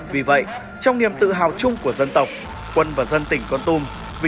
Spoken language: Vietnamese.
vì vậy trong niềm tự hào chung của dân tộc quân và dân tỉnh con tum